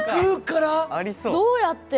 どうやって？